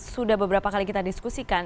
sudah beberapa kali kita diskusikan